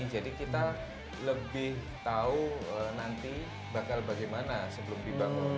jadi kita lebih tahu nanti bakal bagaimana sebelum dibangun